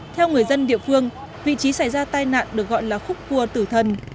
theo người dân địa phương vị trí xảy ra tai nạn được gọi là khúc cua tử thần